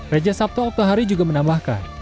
raja sabto oktohari juga menambahkan